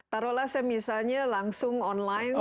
taruhlah saya misalnya langsung online